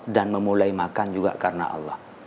dan memulai makan juga karena allah